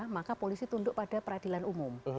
maka polisi tunduk pada peradilan umum